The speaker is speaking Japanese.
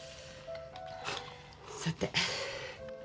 さて。